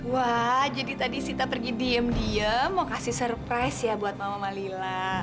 wah jadi tadi sita pergi diem diem mau kasih surprise ya buat mama malila